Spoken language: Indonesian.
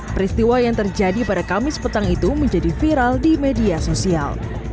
peristiwa yang terjadi pada kamis petang itu menjadi viral di media sosial